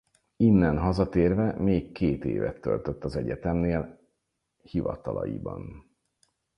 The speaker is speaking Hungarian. Innen hazatérve még két évet töltött az egyetemnél hivatalaiban.